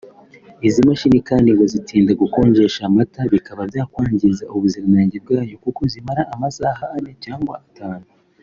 Izi mashini kandi ngo zitinda gukonjesha amata bikaba byakwangiza ubuziranenge bwayo kuko zimara amasaha ane cyangwa atanu